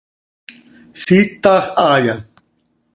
¿Siitax haaya?